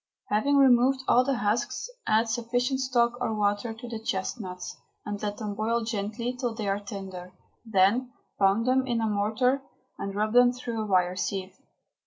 Having removed all the husks, add sufficient stock or water to the chestnuts, and let them boil gently till they are tender. Then pound them in a mortar and rub them through a wire sieve.